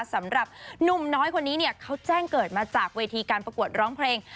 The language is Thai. สำหรับหนุ่มน้อยคนนี้เนี่ยเขาแจ้งเกิดมาจากเวทีการประกวดร้องเพลง